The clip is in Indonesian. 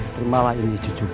terimalah ini cucuku